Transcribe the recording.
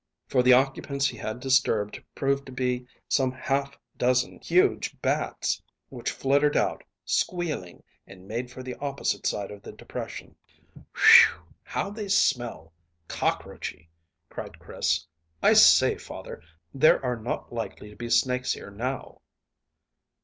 For the occupants he had disturbed proved to be some half dozen huge bats, which fluttered out, squealing, and made for the opposite side of the depression. "Phew! How they smell! Cockroachy," cried Chris. "I say, father, there are not likely to be snakes here now."